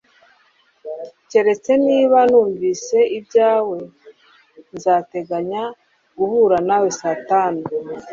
Keretse niba numvise ibyawe nzateganya guhura nawe saa tanu